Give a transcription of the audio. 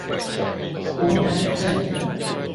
五等分